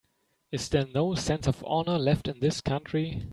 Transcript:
Is there no sense of honor left in this country?